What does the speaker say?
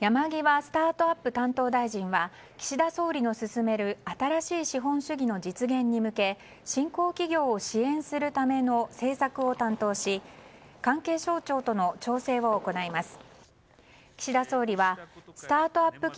山際スタートアップ担当大臣は岸田総理の進める新しい資本主義の実現に向け新興企業を支援するための政策を担当し関係省庁との調整を行います。